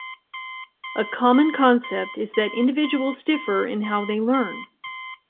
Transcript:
A common concept is that individuals differ in how they learn.